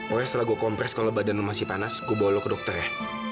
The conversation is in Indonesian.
oleh setelah gua kompres kalo badan lu masih panas gua bawa lu ke dokter ya